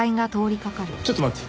ちょっと待って。